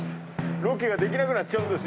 ロケできなくなっちゃうんです。